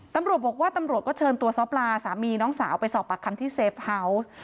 ตำรวจบอกว่าตำรวจก็เชิญตัวซ้อปลาสามีน้องสาวไปสอบปากคำที่เซฟเฮาวส์